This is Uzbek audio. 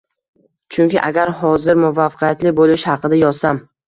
Chunki agar hozir muvaffaqiyatli bo’lish haqida yozsam